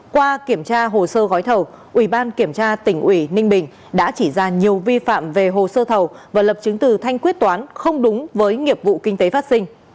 qua kiểm tra hồ sơ gói thầu ubktnb đã chỉ ra nhiều vi phạm về hồ sơ thầu và lập chứng từ thanh quyết toán không đúng với nghiệp vụ kinh tế phát sinh